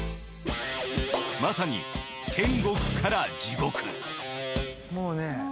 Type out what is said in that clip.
まさに天国から地獄もうね